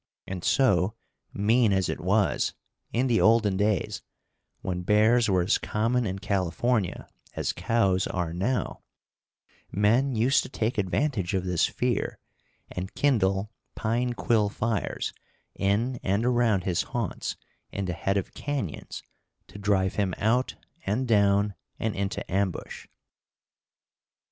And so, mean as it was, in the olden days, when bears were as common in California as cows are now, men used to take advantage of this fear and kindle pine quill fires in and around his haunts in the head of canyons to drive him out and down and into ambush.